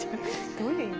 どういう意味？